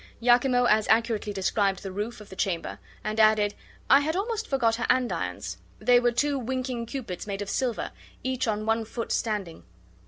Iachimo as accurately described the roof of the chamber; and added, "I had almost forgot her andirons; they were two winking Cupids made of silver, each on one foot standing.